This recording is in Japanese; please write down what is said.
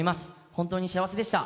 本当に幸せでした。